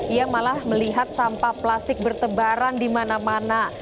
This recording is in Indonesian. ia malah melihat sampah plastik bertebaran di mana mana